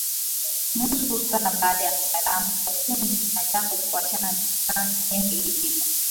Nusu saa baada ya mtaalamu wa ufundi na Jacob kuachana simu ilipigwa